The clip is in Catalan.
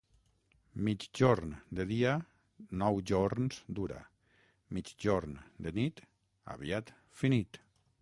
Migjorn de dia nou jorns dura; migjorn de nit, aviat finit.